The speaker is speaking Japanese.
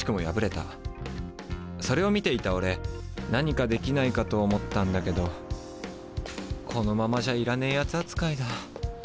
それを見ていたオレ何かできないかと思ったんだけどこのままじゃいらねえ奴扱いだ。